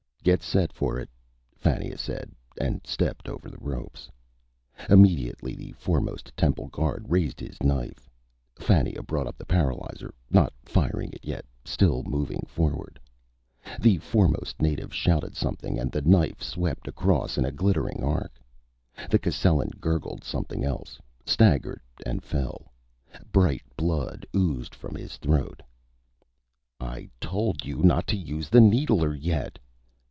"Get set for it," Fannia said, and stepped over the ropes. Immediately the foremost temple guard raised his knife. Fannia brought up the paralyzer, not firing it yet, still moving forward. The foremost native shouted something, and the knife swept across in a glittering arc. The Cascellan gurgled something else, staggered and fell. Bright blood oozed from his throat. "I told you not to use the needler yet!"